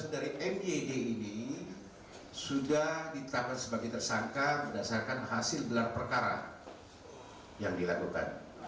jadi ga dan myd ini sudah ditangkap sebagai tersangka berdasarkan hasil belakang perkara yang dilakukan